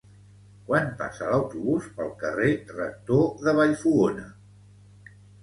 Quan passa l'autobús pel carrer Rector de Vallfogona?